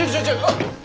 あっ！